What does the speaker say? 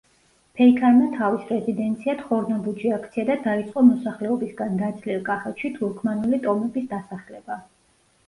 ფეიქარმა თავის რეზიდენციად ხორნაბუჯი აქცია და დაიწყო მოსახლეობისგან დაცლილ კახეთში თურქმანული ტომების დასახლება.